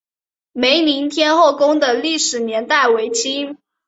梅林天后宫的历史年代为清。